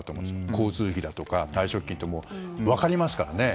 交通費だとか退職金とも分かりますからね。